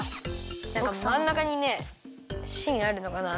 なんかまんなかにねしんあるのかなとおもってて。